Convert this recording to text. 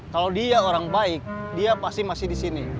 kalau dia orang baik dia pasti masih di sini